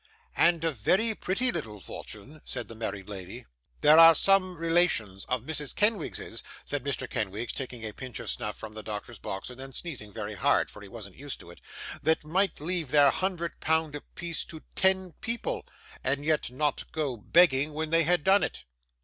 'And a very pretty little fortune,' said the married lady. 'There are some relations of Mrs. Kenwigs's,' said Mr. Kenwigs, taking a pinch of snuff from the doctor's box, and then sneezing very hard, for he wasn't used to it, 'that might leave their hundred pound apiece to ten people, and yet not go begging when they had done it.